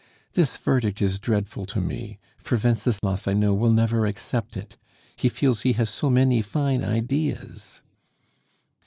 This verdict is dreadful to me, for Wenceslas, I know, will never accept it; he feels he has so many fine ideas."